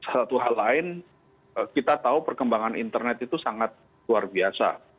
satu hal lain kita tahu perkembangan internet itu sangat luar biasa